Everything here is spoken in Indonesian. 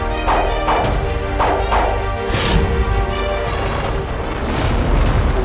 saya sudah serius